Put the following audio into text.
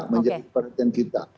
menjadi perhatian kita